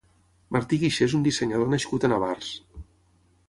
Martí Guixé és un dissenyador nascut a Navars.